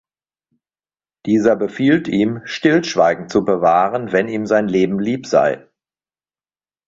Dieser befiehlt ihm, Stillschweigen zu bewahren, wenn ihm sein Leben lieb sei.